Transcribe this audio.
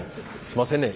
すいませんね。